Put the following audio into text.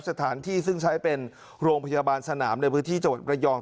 สถานที่ซึ่งใช้เป็นโรงพยาบาลสนามในพื้นที่จังหวัดระยอง